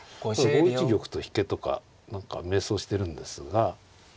５一玉と引けとか何か迷走してるんですが。